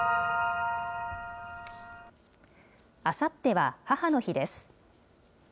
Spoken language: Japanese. あさっては母の日です。